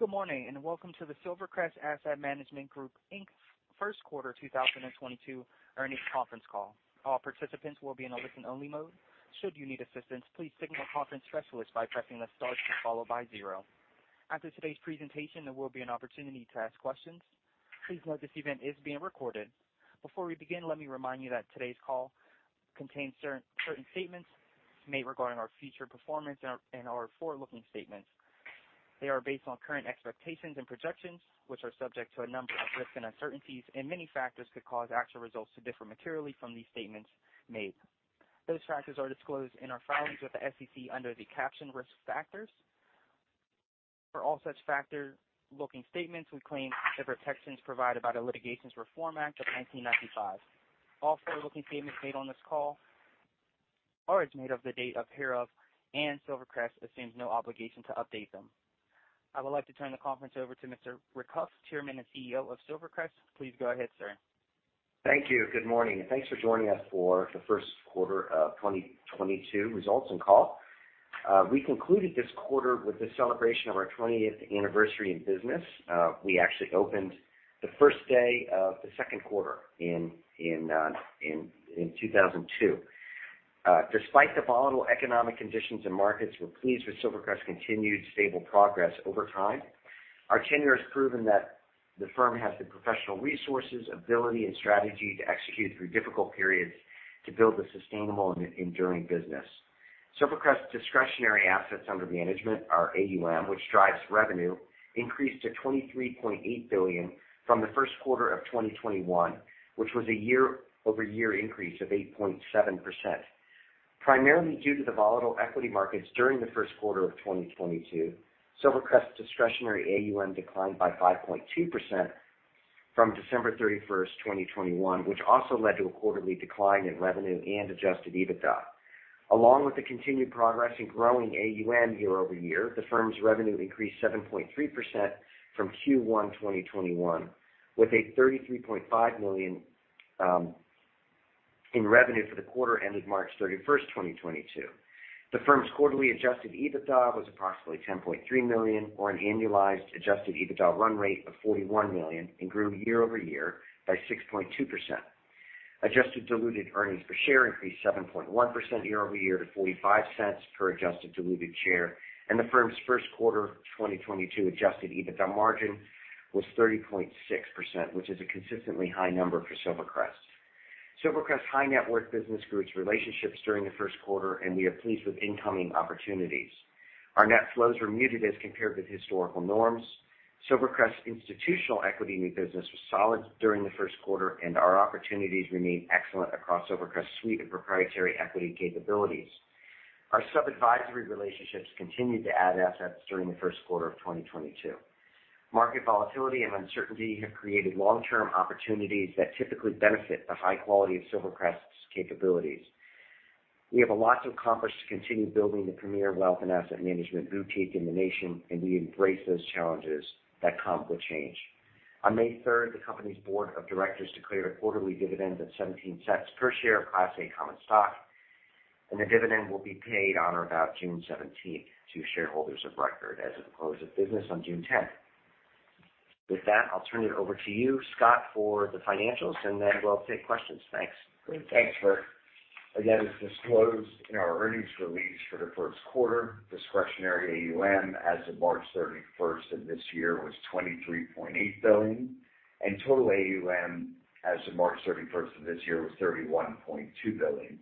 Good morning, and welcome to the Silvercrest Asset Management Group Inc. Q1 2022 earnings conference call. All participants will be in a listen-only mode. Should you need assistance, please signal a conference specialist by pressing the star key followed by zero. After today's presentation, there will be an opportunity to ask questions. Please note this event is being recorded. Before we begin, let me remind you that today's call contains certain statements made regarding our future performance and our forward-looking statements. They are based on current expectations and projections, which are subject to a number of risks and uncertainties, and many factors could cause actual results to differ materially from these statements made. Those factors are disclosed in our filings with the SEC under the caption Risk Factors. For all such forward-looking statements, we claim the protections provided by the Private Securities Litigation Reform Act of 1995. All forward-looking statements made on this call are as of the date hereof, and Silvercrest assumes no obligation to update them. I would like to turn the call over to Mr. Richard Hough, Chairman and CEO of Silvercrest. Please go ahead, sir. Thank you. Good morning, and thanks for joining us for the Q1 of 2022 results and call. We concluded this quarter with the celebration of our 20th anniversary in business. We actually opened the first day of the Q2 in 2002. Despite the volatile economic conditions and markets, we're pleased with Silvercrest's continued stable progress over time. Our tenure has proven that the firm has the professional resources, ability, and strategy to execute through difficult periods to build a sustainable and enduring business. Silvercrest's discretionary assets under management, our AUM, which drives revenue, increased to $23.8 billion from the Q1 of 2021, which was a YoY increase of 8.7%. Primarily due to the volatile equity markets during the Q1 of 2022, Silvercrest's discretionary AUM declined by 5.2% from December 31, 2021, which also led to a quarterly decline in revenue and adjusted EBITDA. Along with the continued progress in growing AUM YoY, the firm's revenue increased 7.3% from Q1 2021, with $33.5 million in revenue for the quarter ending March 31, 2022. The firm's quarterly adjusted EBITDA was approximately $10.3 million or an annualized adjusted EBITDA run rate of $41 million and grew YoY by 6.2%. Adjusted diluted earnings per share increased 7.1% YoY to $0.45 per adjusted diluted share, and the firm's Q1 2022 adjusted EBITDA margin was 30.6%, which is a consistently high number for Silvercrest. Silvercrest high net worth business grew its relationships during the Q1, and we are pleased with incoming opportunities. Our net flows were muted as compared with historical norms. Silvercrest institutional equity new business was solid during the Q1, and our opportunities remain excellent across Silvercrest's suite of proprietary equity capabilities. Our sub-advisory relationships continued to add assets during the Q1 of 2022. Market volatility and uncertainty have created long-term opportunities that typically benefit the high quality of Silvercrest's capabilities. We have a lot to accomplish to continue building the premier wealth and asset management boutique in the nation, and we embrace those challenges that come with change. On May third, the company's board of directors declared a quarterly dividend of $0.17 per share of Class A common stock, and the dividend will be paid on or about June 17 to shareholders of record as of the close of business on June 10. With that, I'll turn it over to you, Scott, for the financials, and then we'll take questions. Thanks. Great. Thanks, Richard. Again, as disclosed in our earnings release for the Q1, discretionary AUM as of March 31 of this year was $23.8 billion, and total AUM as of March 31 of this year was $31.2 billion.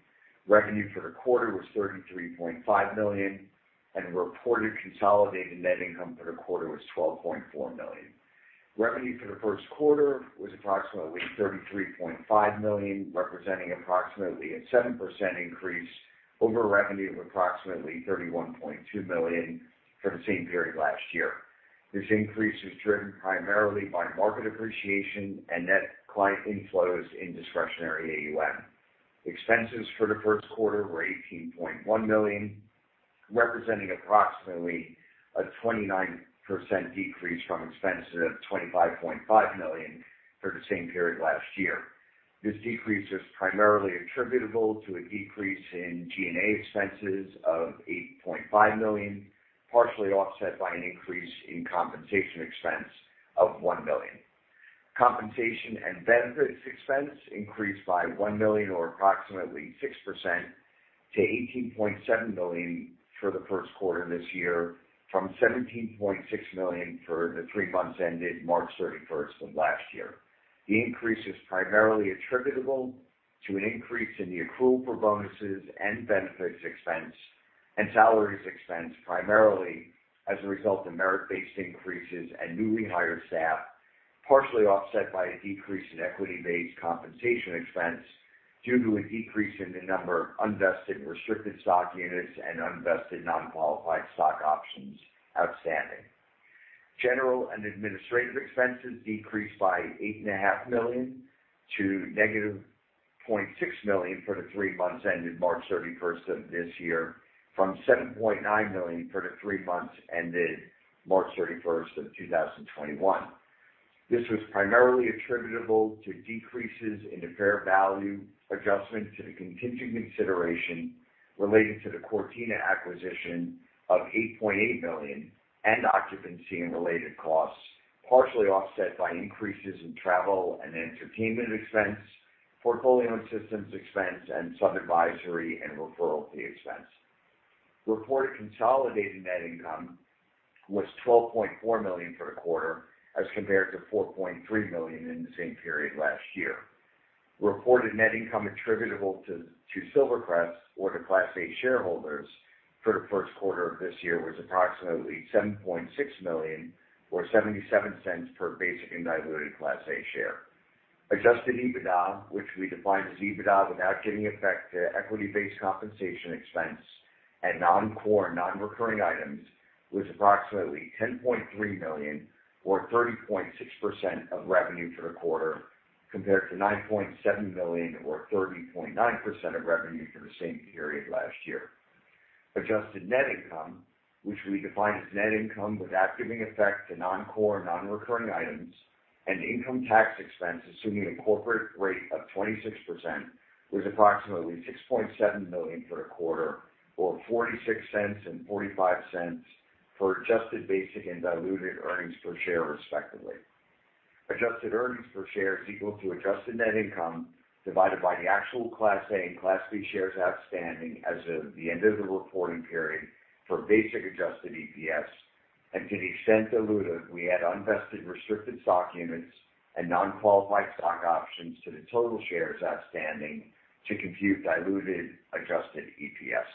Revenue for the quarter was $33.5 million, and reported consolidated net income for the quarter was $12.4 million. Revenue for the Q1 was approximately $33.5 million, representing approximately a 7% increase over revenue of approximately $31.2 million for the same period last year. This increase was driven primarily by market appreciation and net client inflows in discretionary AUM. Expenses for the Q1 were $18.1 million, representing approximately a 29% decrease from expenses of $25.5 million for the same period last year. This decrease is primarily attributable to a decrease in G&A expenses of $8.5 million, partially offset by an increase in compensation expense of $1 million. Compensation and benefits expense increased by $1 million or approximately 6% to $18.7 million for the Q1 this year, from $17.6 million for the three months ended March 31 of last year. The increase is primarily attributable to an increase in the accrual for bonuses and benefits expense and salaries expense, primarily as a result of merit-based increases and newly hired staff, partially offset by a decrease in equity-based compensation expense due to a decrease in the number of unvested restricted stock units and unvested non-qualified stock options outstanding. General and administrative expenses decreased by $8.5 million to -$0.6 million for the three months ended March 31 of this year, from $7.9 million for the three months ended March 31, 2021. This was primarily attributable to decreases in the fair value adjustment to the contingent consideration related to the Cortina acquisition of $8.8 million and occupancy and related costs, partially offset by increases in travel and entertainment expense, portfolio systems expense and some advisory and referral fee expense. Reported consolidated net income was $12.4 million for the quarter as compared to $4.3 million in the same period last year. Reported net income attributable to Silvercrest or to Class A shareholders for the Q1 of this year was approximately $7.6 million or $0.77 per basic and diluted Class A share. Adjusted EBITDA, which we define as EBITDA without giving effect to equity-based compensation expense and non-core, non-recurring items, was approximately $10.3 million or 30.6% of revenue for the quarter, compared to $9.7 million or 30.9% of revenue for the same period last year. Adjusted net income, which we define as net income without giving effect to non-core, non-recurring items and income tax expense, assuming a corporate rate of 26%, was approximately $6.7 million for the quarter, or $0.46 and $0.45 for adjusted basic and diluted earnings per share, respectively. Adjusted earnings per share is equal to adjusted net income divided by the actual Class A and Class B shares outstanding as of the end of the reporting period for basic adjusted EPS. To the extent diluted, we add unvested restricted stock units and non-qualified stock options to the total shares outstanding to compute diluted adjusted EPS.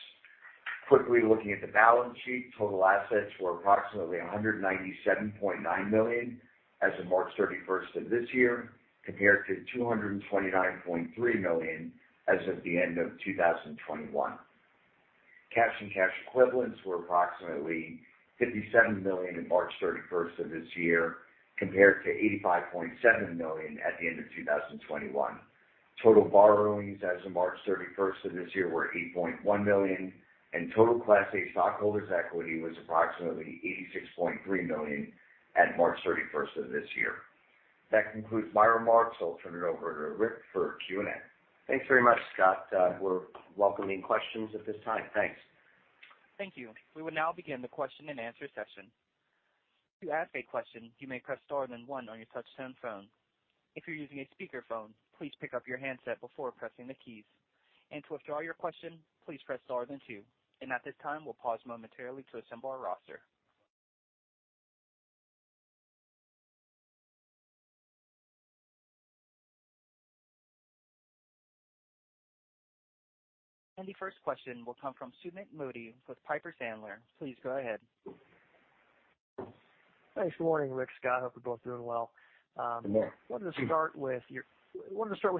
Quickly looking at the balance sheet, total assets were approximately $197.9 million as of March 31 of this year, compared to $229.3 million as of the end of 2021. Cash and cash equivalents were approximately $57 million as of March 31 of this year, compared to $85.7 million at the end of 2021. Total borrowings as of March 31 of this year were $8.1 million, and total Class A stockholders' equity was approximately $86.3 million at March 31 of this year. That concludes my remarks. I'll turn it over to Richard for Q&A. Thanks very much, Scott. We're welcoming questions at this time. Thanks. Thank you. We will now begin the question-and-answer session. To ask a question, you may press star then one on your touch-tone phone. If you're using a speakerphone, please pick up your handset before pressing the keys. To withdraw your question, please press star then two. At this time, we'll pause momentarily to assemble our roster. The first question will come from Sumeet Mody with Piper Sandler. Please go ahead. Thanks. Morning, Richard, Scott. Hope you're both doing well. Good morning. Wanted to start with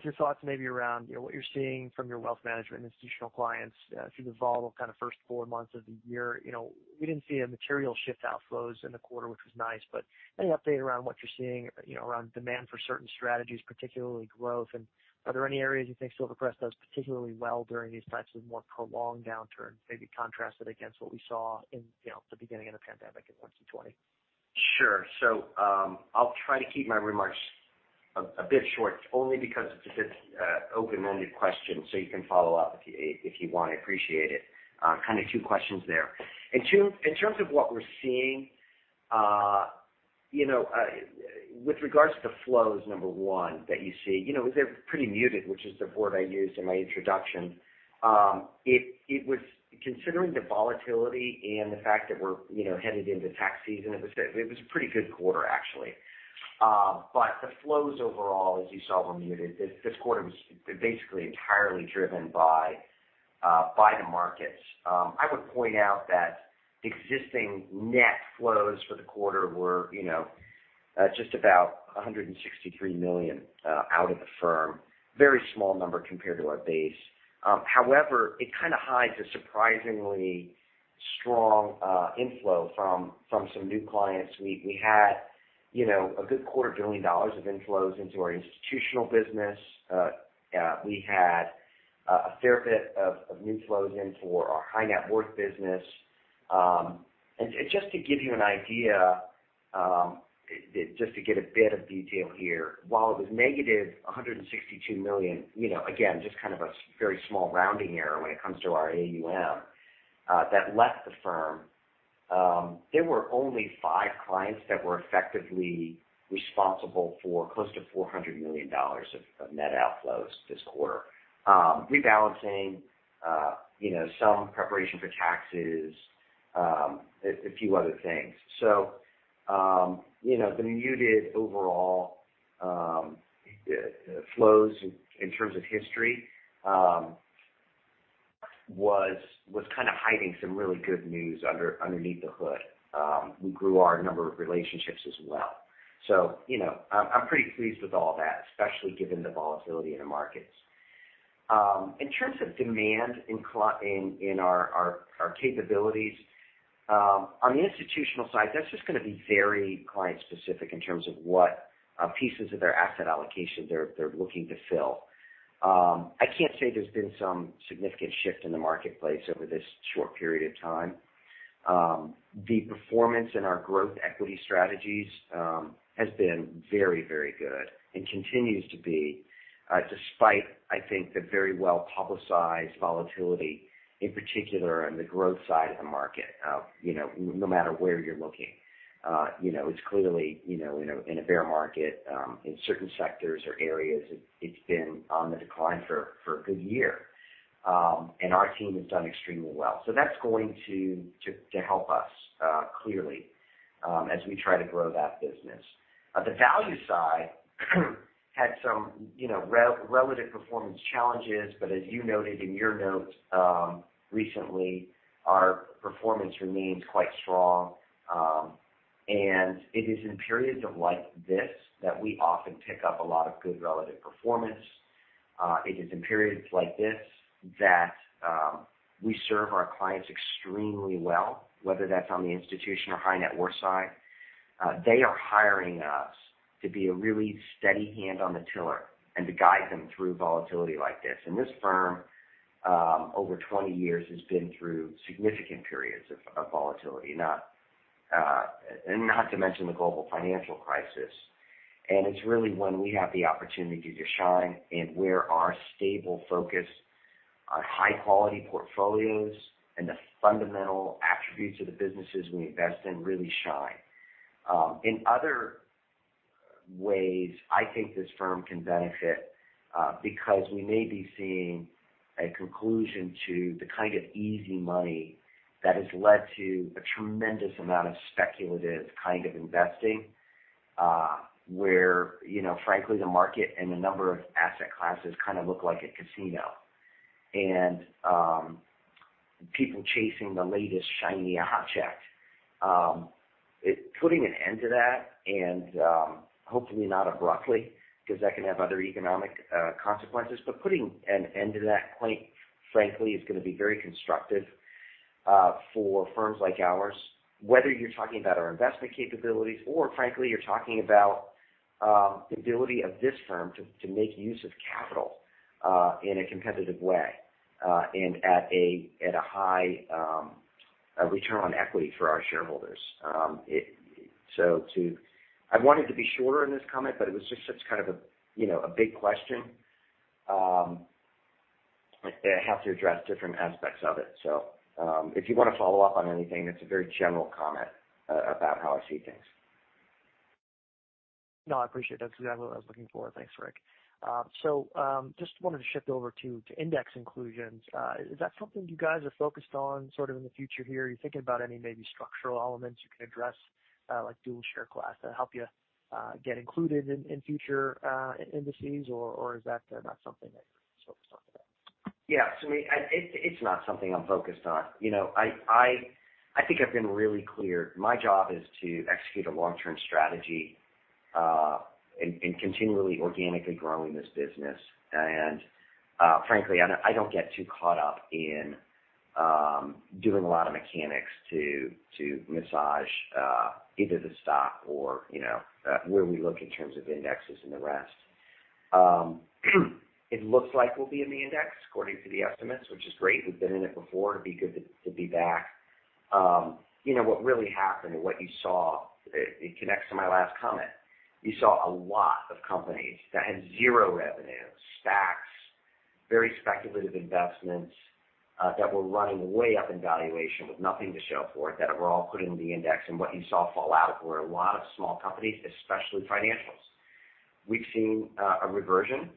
your thoughts maybe around, you know, what you're seeing from your wealth management institutional clients through the volatile kinda first four months of the year. You know, we didn't see a material shift outflows in the quarter, which was nice, but any update around what you're seeing, you know, around demand for certain strategies, particularly growth? Are there any areas you think Silvercrest does particularly well during these types of more prolonged downturns, maybe contrasted against what we saw in, you know, the beginning of the pandemic in 2020? Sure. I'll try to keep my remarks a bit short only because it's a bit open-ended question, so you can follow up if you want. I appreciate it. Kinda two questions there. In terms of what we're seeing, you know, with regards to flows, number one, that you see, you know, they're pretty muted, which is the word I used in my introduction. It was considering the volatility and the fact that we're, you know, headed into tax season, it was a pretty good quarter, actually. The flows overall, as you saw, were muted. This quarter was basically entirely driven by the markets. I would point out that existing net flows for the quarter were, you know, just about $163 million out of the firm, very small number compared to our base. However, it kinda hides a surprisingly strong inflow from some new clients. We had, you know, a good $250 million of inflows into our institutional business. We had a fair bit of new flows into our high net worth business. Just to give you an idea, just to get a bit of detail here, while it was -$162 million, you know, again, just kind of a very small rounding error when it comes to our AUM, that left the firm, there were only five clients that were effectively responsible for close to $400 million of net outflows this quarter. Rebalancing, you know, some preparation for taxes, a few other things. You know, the muted overall flows in terms of history was kinda hiding some really good news underneath the hood. We grew our number of relationships as well. You know, I'm pretty pleased with all that, especially given the volatility in the markets. In terms of demand in our capabilities on the institutional side, that's just gonna be very client-specific in terms of what pieces of their asset allocation they're looking to fill. I can't say there's been some significant shift in the marketplace over this short period of time. The performance in our growth equity strategies has been very good and continues to be despite, I think, the very well-publicized volatility, in particular on the growth side of the market. You know, no matter where you're looking, you know, it's clearly, you know, in a bear market in certain sectors or areas, it's been on the decline for a good year. Our team has done extremely well. That's going to help us clearly as we try to grow that business. The value side had some, you know, relative performance challenges. As you noted in your notes, recently, our performance remains quite strong. It is in periods like this that we often pick up a lot of good relative performance. It is in periods like this that we serve our clients extremely well, whether that's on the institutional or high net worth side. They are hiring us to be a really steady hand on the tiller and to guide them through volatility like this. This firm, over 20 years, has been through significant periods of volatility, not to mention the global financial crisis. It's really when we have the opportunity to just shine and where our stable focus on high-quality portfolios and the fundamental attributes of the businesses we invest in really shine. In other ways, I think this firm can benefit, because we may be seeing a conclusion to the kind of easy money that has led to a tremendous amount of speculative kind of investing, where, you know, frankly, the market and the number of asset classes kind of look like a casino. People chasing the latest shiny object. Putting an end to that and, hopefully not abruptly because that can have other economic consequences. Putting an end to that, quite frankly, is gonna be very constructive for firms like ours, whether you're talking about our investment capabilities or frankly you're talking about the ability of this firm to make use of capital in a competitive way and at a high return on equity for our shareholders. I wanted to be shorter in this comment, but it was just such kind of a, you know, big question that I have to address different aspects of it. If you wanna follow up on anything, it's a very general comment about how I see things. No, I appreciate that. That's exactly what I was looking for. Thanks, Richard. Just wanted to shift over to index inclusions. Is that something you guys are focused on sort of in the future here? Are you thinking about any maybe structural elements you can address, like dual share class that'll help you get included in future indices, or is that not something that you're focused on today? Yeah. It's not something I'm focused on. You know, I think I've been really clear. My job is to execute a long-term strategy, and continually organically growing this business. Frankly, I don't get too caught up in doing a lot of mechanics to massage either the stock or, you know, where we look in terms of indexes and the rest. It looks like we'll be in the index according to the estimates, which is great. We've been in it before. It'd be good to be back. You know, what really happened and what you saw, it connects to my last comment. You saw a lot of companies that had zero revenue, stocks, very speculative investments, that were running way up in valuation with nothing to show for it, that were all put in the index. What you saw fall out were a lot of small companies, especially financials. We've seen a reversion.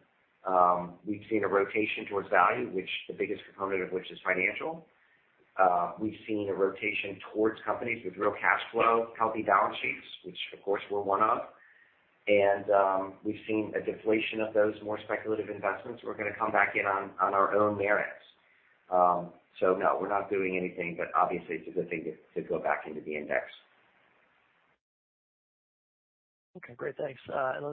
We've seen a rotation towards value, which the biggest component of which is financial. We've seen a rotation towards companies with real cash flow, healthy balance sheets, which of course we're one of. We've seen a deflation of those more speculative investments. We're gonna come back in on our own merits. No, we're not doing anything, but obviously, it's a good thing to go back into the index. Okay, great. Thanks.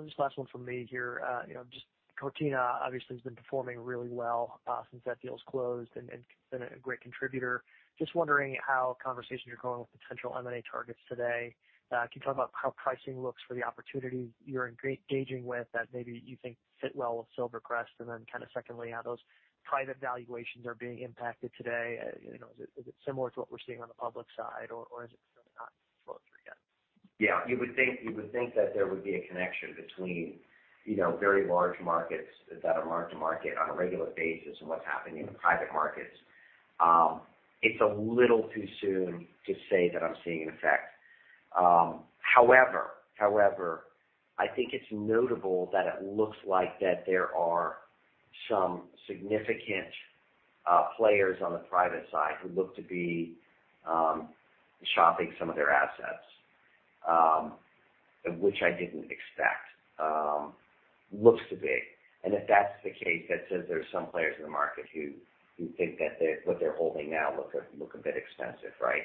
Just last one from me here. You know, just Cortina obviously has been performing really well, since that deal's closed and been a great contributor. Just wondering how conversations are going with potential M&A targets today. Can you talk about how pricing looks for the opportunities you're engaging with that maybe you think fit well with Silvercrest? And then kind of secondly, how those private valuations are being impacted today? You know, is it similar to what we're seeing on the public side or is it sort of not close yet? You would think that there would be a connection between, you know, very large markets that are marked to market on a regular basis and what's happening in the private markets. It's a little too soon to say that I'm seeing an effect. However, I think it's notable that it looks like that there are some significant players on the private side who look to be shopping some of their assets, which I didn't expect. If that's the case, that says there's some players in the market who think that what they're holding now look a bit expensive, right?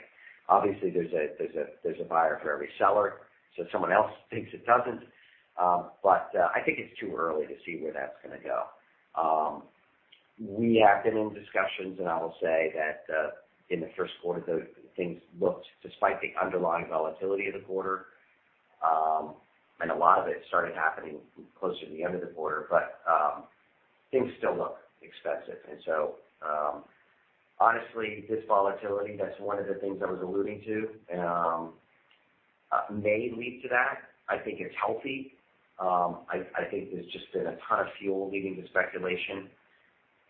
Obviously, there's a buyer for every seller, so someone else thinks it doesn't. I think it's too early to see where that's gonna go. We have been in discussions, and I will say that in the Q1, the things looked despite the underlying volatility of the quarter, and a lot of it started happening closer to the end of the quarter, but things still look expensive. Honestly, this volatility, that's one of the things I was alluding to, may lead to that. I think it's healthy. I think there's just been a ton of fuel leading to speculation,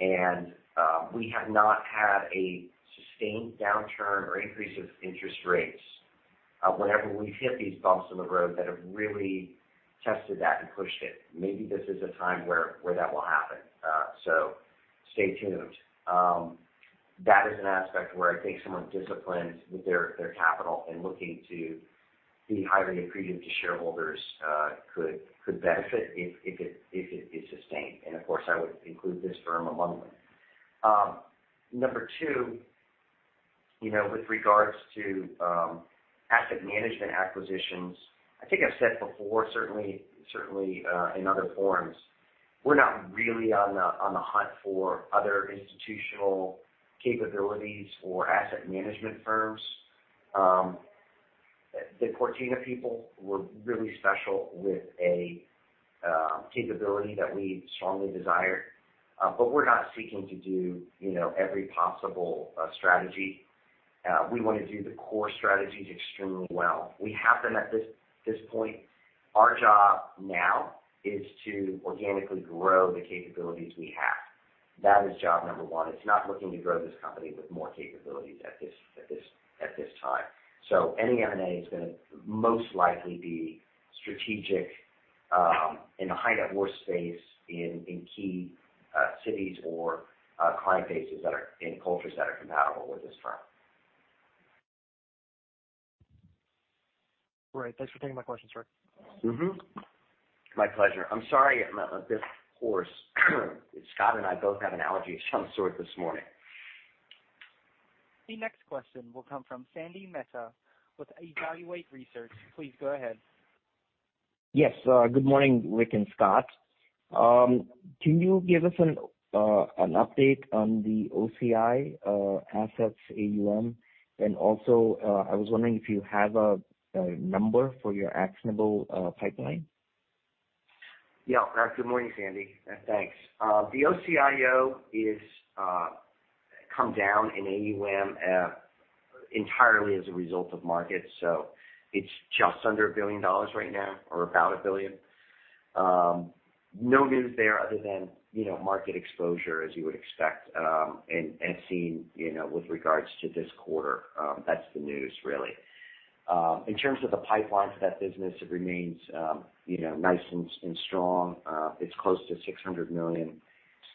and we have not had a sustained downturn or increase of interest rates. Whenever we've hit these bumps in the road that have really tested that and pushed it, maybe this is a time where that will happen. Stay tuned. That is an aspect where I think someone disciplined with their capital and looking to be highly accretive to shareholders could benefit if it is sustained. Of course, I would include this firm among them. Number two, you know, with regards to asset management acquisitions, I think I've said before, certainly in other forums, we're not really on the hunt for other institutional capabilities or asset management firms. The Cortina people were really special with a capability that we strongly desire. But we're not seeking to do, you know, every possible strategy. We wanna do the core strategies extremely well. We have them at this point. Our job now is to organically grow the capabilities we have. That is job number one. It's not looking to grow this company with more capabilities at this time. Any M&A is gonna most likely be strategic in the high net worth space in key cities or client bases that are in cultures that are compatible with this firm. Great. Thanks for taking my questions, sir. Mm-hmm. My pleasure. I'm sorry. Scott and I both have an allergy of some sort this morning. The next question will come from Sandy Mehta with Evaluate Research. Please go ahead. Yes. Good morning, Richard and Scott. Can you give us an update on the OCIO assets AUM? Also, I was wondering if you have a number for your actionable pipeline. Yeah. Good morning, Sandy. Thanks. The OCIO has come down in AUM entirely as a result of markets, so it's just under $1 billion right now or about $1 billion. No news there other than, you know, market exposure as you would expect, and seeing, you know, with regards to this quarter. That's the news really. In terms of the pipeline for that business, it remains, you know, nice and strong. It's close to $600 million.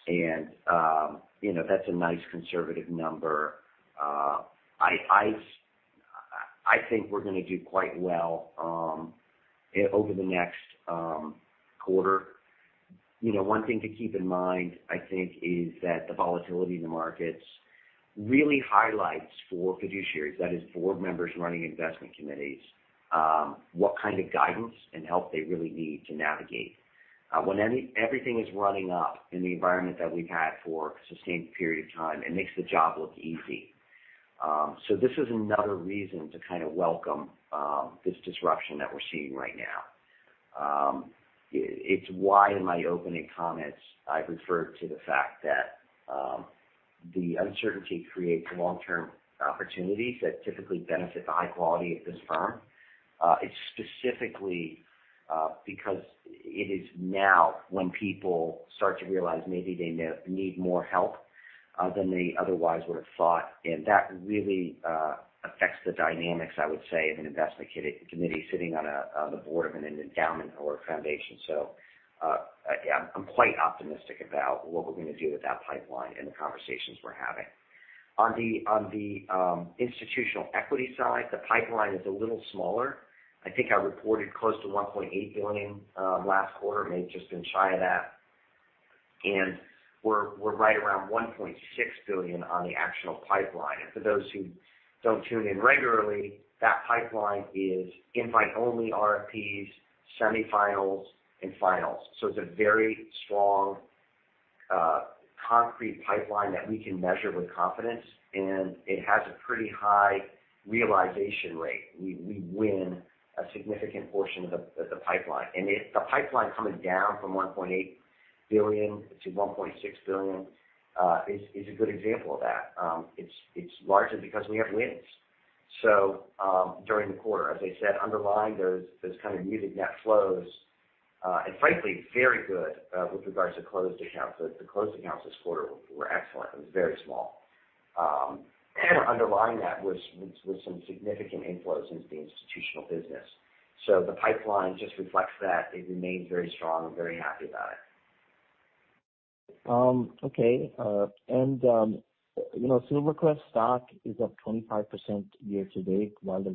You know, that's a nice conservative number. I think we're gonna do quite well over the next quarter. You know, one thing to keep in mind, I think, is that the volatility in the markets really highlights for fiduciaries, that is board members running investment committees, what kind of guidance and help they really need to navigate. When everything is running up in the environment that we've had for a sustained period of time, it makes the job look easy. So this is another reason to kind of welcome this disruption that we're seeing right now. It's why in my opening comments, I referred to the fact that the uncertainty creates long-term opportunities that typically benefit the high quality of this firm. It's specifically because it is now when people start to realize maybe they need more help than they otherwise would have thought. That really affects the dynamics, I would say, of an investment committee sitting on the board of an endowment or a foundation. Yeah, I'm quite optimistic about what we're gonna do with that pipeline and the conversations we're having. On the institutional equity side, the pipeline is a little smaller. I think I reported close to $1.8 billion last quarter. It may have just been shy of that. We're right around $1.6 billion on the actionable pipeline. For those who don't tune in regularly, that pipeline is invite only RFPs, semifinals, and finals. It's a very strong concrete pipeline that we can measure with confidence, and it has a pretty high realization rate. We win a significant portion of the pipeline. The pipeline coming down from $1.8 billion-$1.6 billion is a good example of that. It's largely because we have wins. During the quarter, as I said, underlying those kind of muted net flows, and frankly, very good with regards to closed accounts. The closed accounts this quarter were excellent. It was very small. Underlying that was with some significant inflows into the institutional business. The pipeline just reflects that. It remains very strong. I'm very happy about it. You know, Silvercrest stock is up 25% year to date. Yeah. While the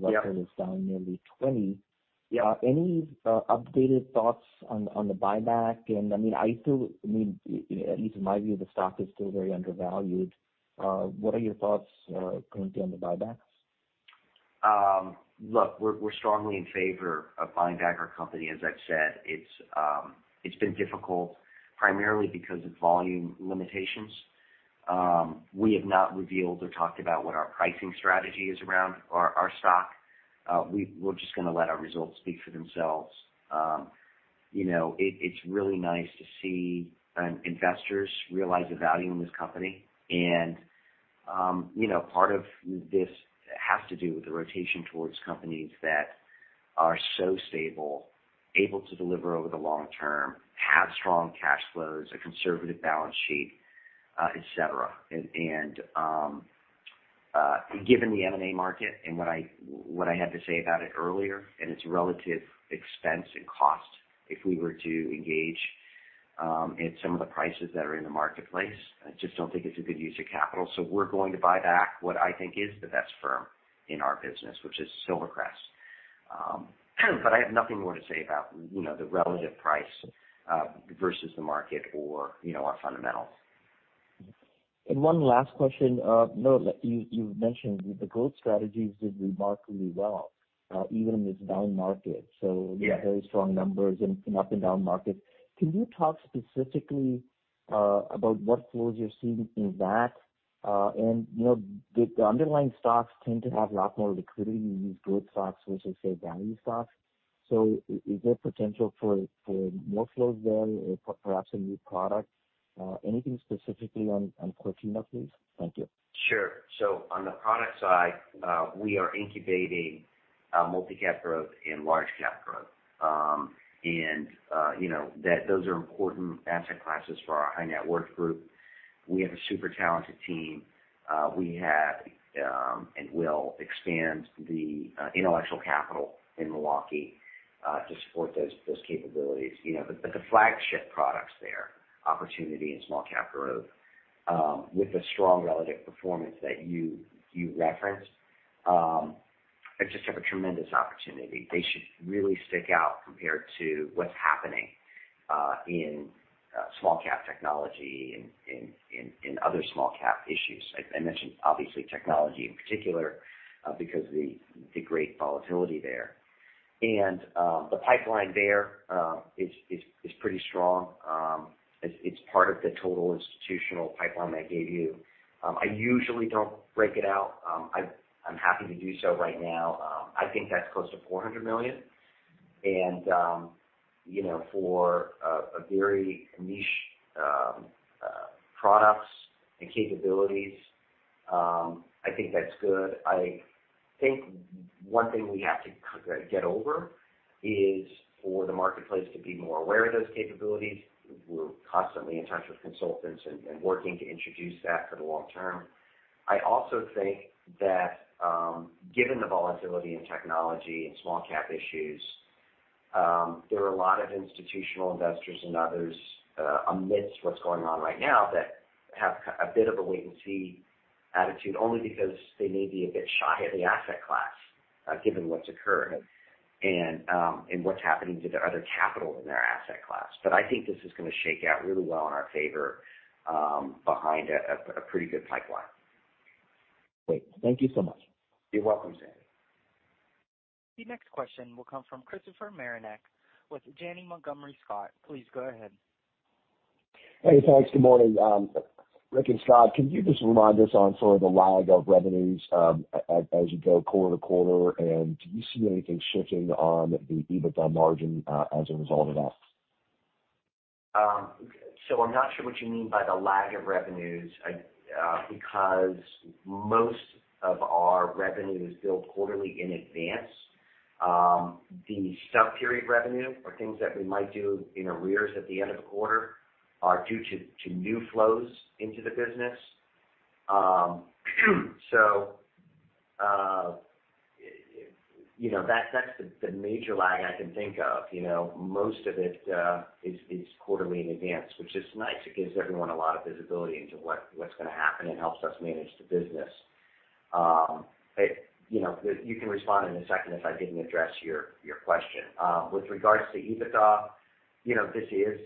Yeah. Any updated thoughts on the buyback? I mean, I still, I mean, at least in my view, the stock is still very undervalued. What are your thoughts currently on the buybacks? Look, we're strongly in favor of buying back our company. As I've said, it's been difficult primarily because of volume limitations. We have not revealed or talked about what our pricing strategy is around our stock. We're just gonna let our results speak for themselves. You know, it's really nice to see investors realize the value in this company. You know, part of this has to do with the rotation towards companies that are so stable, able to deliver over the long term, have strong cash flows, a conservative balance sheet, et cetera. Given the M&A market and what I had to say about it earlier, and its relative expense and cost if we were to engage at some of the prices that are in the marketplace, I just don't think it's a good use of capital. We're going to buy back what I think is the best firm in our business, which is Silvercrest. I have nothing more to say about, you know, the relative price versus the market or, you know, our fundamentals. One last question. Note that you mentioned the growth strategies did remarkably well, even in this down market. Yeah. Very strong numbers in up and down market. Can you talk specifically about what flows you're seeing in that? And, you know, the underlying stocks tend to have a lot more liquidity in these growth stocks versus, say, value stocks. Is there potential for more flows there or perhaps a new product? Anything specifically on Cortina, please? Thank you. Sure. On the product side, we are incubating multi-cap growth and large-cap growth. You know, those are important asset classes for our high-net-worth group. We have a super talented team. We have and will expand the intellectual capital in Milwaukee to support those capabilities. You know, but the flagship products there, Small Cap Opportunity and Small Cap Growth, with the strong relative performance that you referenced, just have a tremendous opportunity. They should really stick out compared to what's happening in small-cap technology and other small-cap issues. I mentioned obviously technology in particular because of the great volatility there. The pipeline there is pretty strong. It's part of the total institutional pipeline I gave you. I usually don't break it out. I'm happy to do so right now. I think that's close to $400 million. You know, for a very niche products and capabilities, I think that's good. I think one thing we have to get over is for the marketplace to be more aware of those capabilities. We're constantly in touch with consultants and working to introduce that for the long term. I also think that, given the volatility in technology and small cap issues, there are a lot of institutional investors and others, amidst what's going on right now that have a bit of a wait-and-see attitude, only because they may be a bit shy of the asset class, given what's occurred and what's happening to the other capital in their asset class. I think this is gonna shake out really well in our favor, behind a pretty good pipeline. Great. Thank you so much. You're welcome, Sandy. The next question will come from Christopher Marinac with Janney Montgomery Scott. Please go ahead. Hey, thanks. Good morning. Richard and Scott, can you just remind us on sort of the lag of revenues, as you go quarter to quarter, and do you see anything shifting on the EBITDA margin, as a result of that? I'm not sure what you mean by the lag of revenues because most of our revenue is billed quarterly in advance. The sub-period revenue or things that we might do in arrears at the end of the quarter are due to new flows into the business. You know, that's the major lag I can think of. You know, most of it is quarterly in advance, which is nice. It gives everyone a lot of visibility into what's gonna happen and helps us manage the business. You know, you can respond in a second if I didn't address your question. With regards to EBITDA, you know, this is,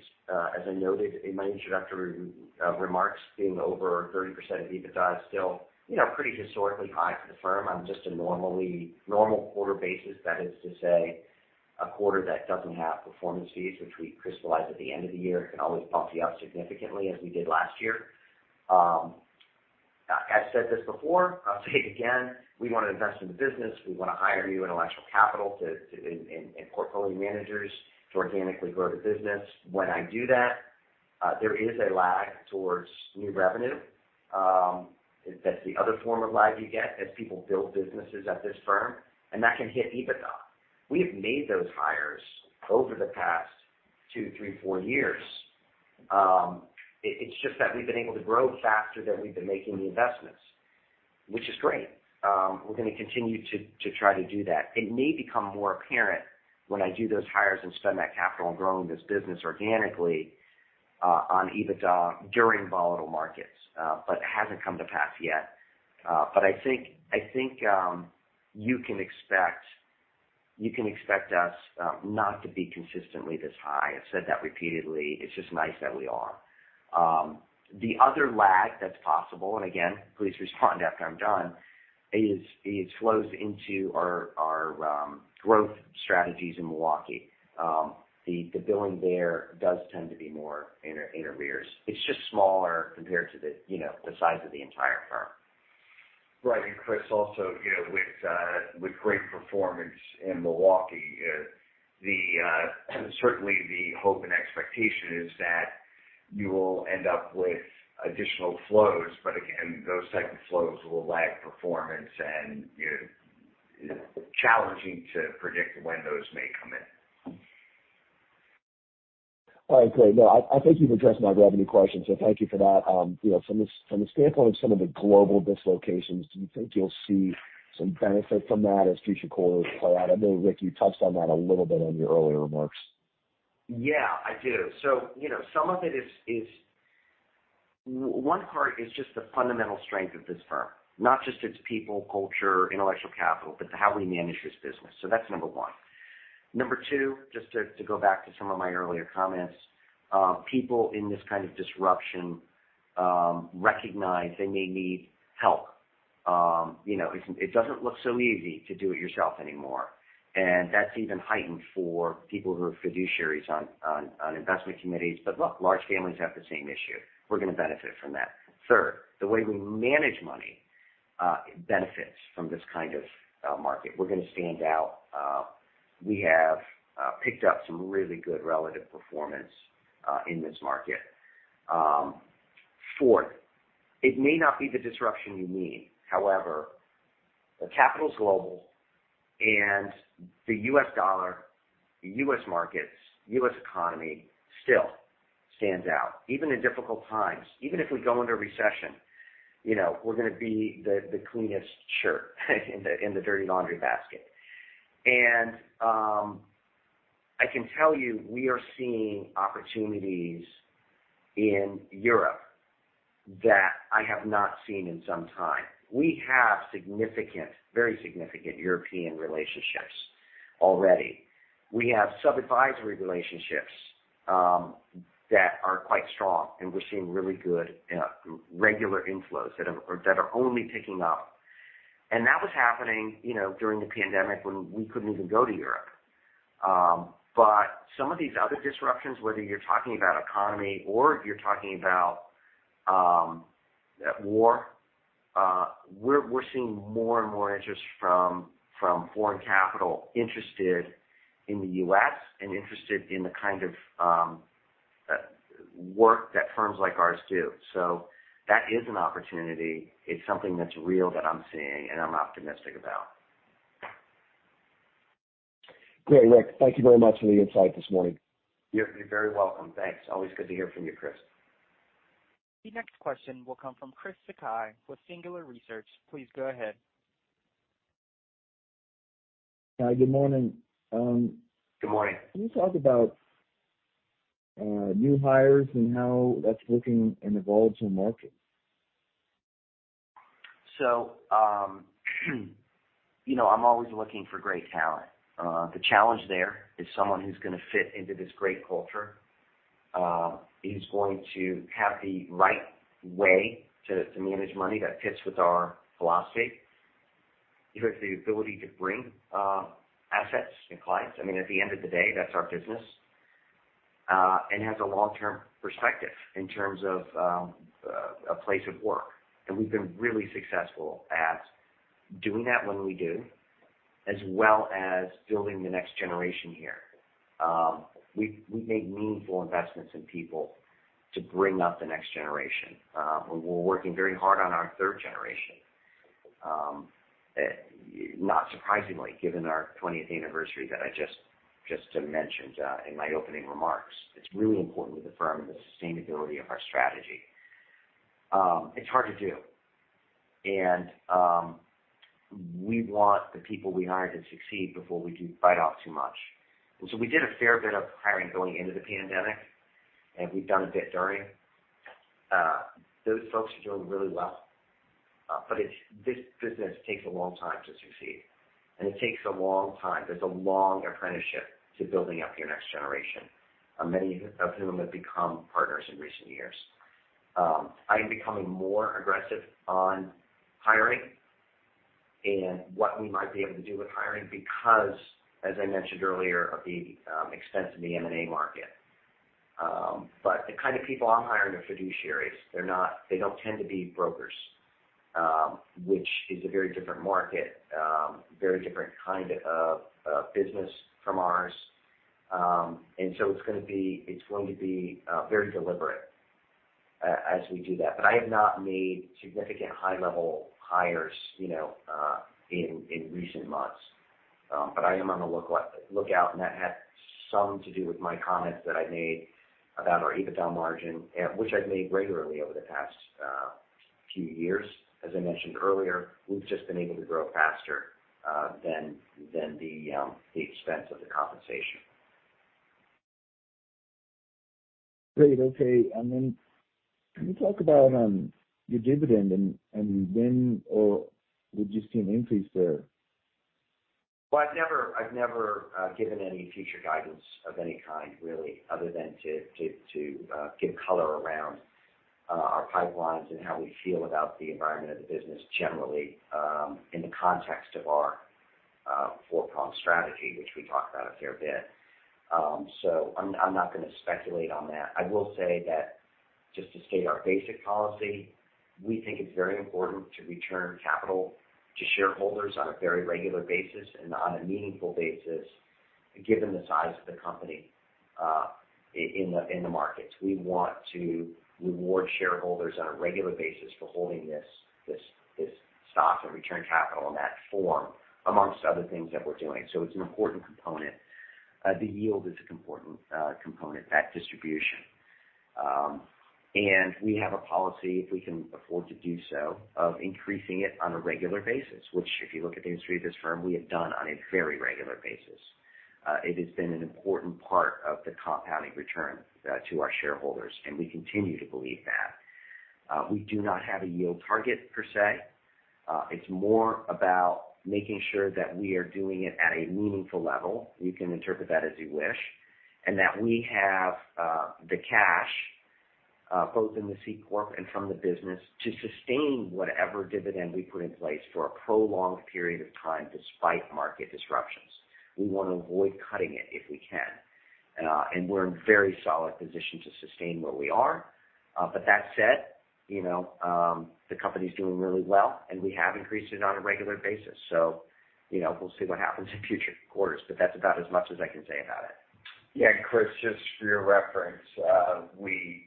as I noted in my introductory remarks, being over 30% of EBITDA is still, you know, pretty historically high for the firm on just a normal quarter basis. That is to say, a quarter that doesn't have performance fees, which we crystallize at the end of the year. It can always bump you up significantly, as we did last year. I've said this before, I'll say it again. We wanna invest in the business. We wanna hire new intellectual capital to and portfolio managers to organically grow the business. When I do that, there is a lag towards new revenue. That's the other form of lag you get as people build businesses at this firm, and that can hit EBITDA. We have made those hires over the past two years, three years, four years. It's just that we've been able to grow faster than we've been making the investments, which is great. We're gonna continue to try to do that. It may become more apparent when I do those hires and spend that capital on growing this business organically on EBITDA during volatile markets, but it hasn't come to pass yet. I think you can expect us not to be consistently this high. I've said that repeatedly. It's just nice that we are. The other lag that's possible, and again, please respond after I'm done, is flows into our growth strategies in Milwaukee. The billing there does tend to be more in arrears. It's just smaller compared to the, you know, the size of the entire firm. Right. Chris, also, you know, with great performance in Milwaukee, certainly the hope and expectation is that you will end up with additional flows. But again, those type of flows will lag performance and, you know, challenging to predict when those may come in. All right, great. No, I think you've addressed my revenue question, so thank you for that. You know, from the standpoint of some of the global dislocations, do you think you'll see some benefit from that as future quarters play out? I know, Rick, you touched on that a little bit in your earlier remarks. Yeah, I do. You know, some of it is. One part is just the fundamental strength of this firm, not just its people, culture, intellectual capital, but how we manage this business. That's number one. Number two, just to go back to some of my earlier comments, people in this kind of disruption recognize they may need help. You know, it doesn't look so easy to do it yourself anymore. And that's even heightened for people who are fiduciaries on investment committees. But look, large families have the same issue. We're gonna benefit from that. Third, the way we manage money benefits from this kind of market. We're gonna stand out. We have picked up some really good relative performance in this market. Fourth, it may not be the disruption you need, however, the capital's global and the US dollar, the US markets, US economy still stands out. Even in difficult times, even if we go into recession, you know, we're gonna be the cleanest shirt in the dirty laundry basket. I can tell you, we are seeing opportunities in Europe that I have not seen in some time. We have significant, very significant European relationships already. We have sub-advisory relationships that are quite strong, and we're seeing really good regular inflows that are only picking up. That was happening, you know, during the pandemic when we couldn't even go to Europe. some of these other disruptions, whether you're talking about economy or if you're talking about war, we're seeing more and more interest from foreign capital interested in the U.S. and interested in the kind of work that firms like ours do. That is an opportunity. It's something that's real that I'm seeing and I'm optimistic about. Great. Richard, thank you very much for the insight this morning. You're very welcome. Thanks. Always good to hear from you, Christopher. The next question will come from Chris Sakai with Singular Research. Please go ahead. Hi. Good morning. Good morning. Can you talk about, new hires and how that's looking and evolving the market? You know, I'm always looking for great talent. The challenge there is someone who's gonna fit into this great culture, is going to have the right way to manage money that fits with our philosophy, who has the ability to bring assets and clients, I mean, at the end of the day, that's our business, and has a long-term perspective in terms of a place of work. We've been really successful at doing that when we do, as well as building the next generation here. We make meaningful investments in people to bring up the next generation. We're working very hard on our third generation. Not surprisingly, given our 20th anniversary that I just mentioned in my opening remarks. It's really important to the firm and the sustainability of our strategy. It's hard to do. We want the people we hire to succeed before we do write off too much. We did a fair bit of hiring going into the pandemic, and we've done a bit during. Those folks are doing really well. This business takes a long time to succeed. It takes a long time. There's a long apprenticeship to building up your next generation, many of whom have become partners in recent years. I am becoming more aggressive on hiring and what we might be able to do with hiring because, as I mentioned earlier, of the expense of the M&A market. The kind of people I'm hiring are fiduciaries. They don't tend to be brokers, which is a very different market, very different kind of business from ours. It's going to be very deliberate as we do that. I have not made significant high-level hires, you know, in recent months. I am on the lookout, and that had something to do with my comments that I made about our EBITDA margin, which I've made regularly over the past few years. As I mentioned earlier, we've just been able to grow faster than the expense of the compensation. Great. Okay. Can you talk about your dividend and when you would see an increase there? Well, I've never given any future guidance of any kind really other than to give color around our pipelines and how we feel about the environment of the business generally, in the context of our four-pronged strategy, which we talked about a fair bit. I'm not gonna speculate on that. I will say that just to state our basic policy, we think it's very important to return capital to shareholders on a very regular basis and on a meaningful basis, given the size of the company, in the markets. We want to reward shareholders on a regular basis for holding this stock and return capital in that form, among other things that we're doing. It's an important component. The yield is an important component, that distribution. We have a policy, if we can afford to do so, of increasing it on a regular basis, which if you look at the history of this firm, we have done on a very regular basis. It has been an important part of the compounding return to our shareholders, and we continue to believe that. We do not have a yield target per se. It's more about making sure that we are doing it at a meaningful level, you can interpret that as you wish, and that we have the cash both in the C corp and from the business to sustain whatever dividend we put in place for a prolonged period of time despite market disruptions. We wanna avoid cutting it if we can. We're in very solid position to sustain where we are. That said, you know, the company's doing really well, and we have increased it on a regular basis. You know, we'll see what happens in future quarters, but that's about as much as I can say about it. Yeah. Chris, just for your reference, we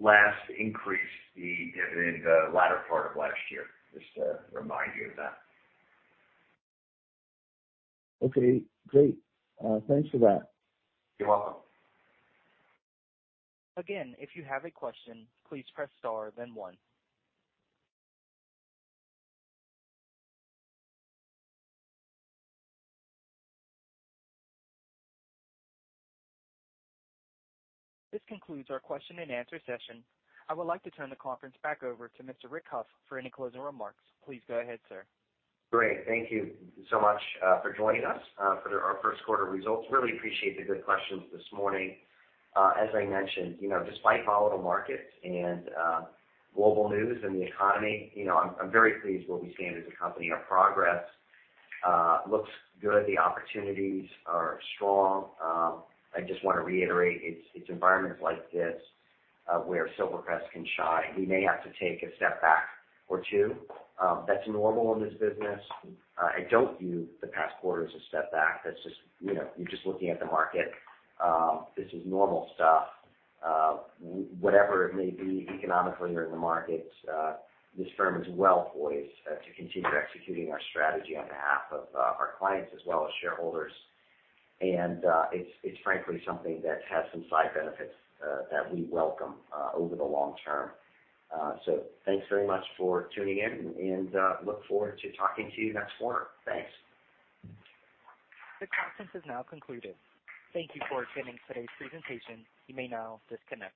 last increased the dividend the latter part of last year, just to remind you of that. Okay, great. Thanks for that. You're welcome. Again, if you have a question, please press star then one. This concludes our question and answer session. I would like to turn the conference back over to Mr. Richard Hough for any closing remarks. Please go ahead, sir. Great. Thank you so much for joining us for our Q1 results. Really appreciate the good questions this morning. As I mentioned, you know, despite volatile markets and global news and the economy, you know, I'm very pleased what we see as a company. Our progress looks good. The opportunities are strong. I just wanna reiterate it's environments like this where Silvercrest can shine. We may have to take a step back or two. That's normal in this business. I don't view the past quarter as a step back. That's just, you know, you're just looking at the market. This is normal stuff. Whatever it may be economically or in the markets, this firm is well poised to continue executing our strategy on behalf of our clients as well as shareholders. It's frankly something that has some side benefits that we welcome over the long term. Thanks very much for tuning in, and look forward to talking to you next quarter. Thanks. The conference is now concluded. Thank you for attending today's presentation. You may now disconnect.